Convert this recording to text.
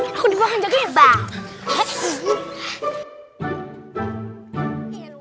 yang kumpul orang sana masih semua t victoria